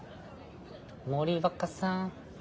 森若さん。